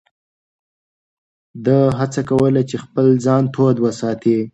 ده هڅه کوله چې خپل ځان تود وساتي.